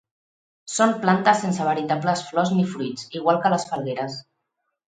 Són plantes sense veritables flors ni fruits, igual que les falgueres.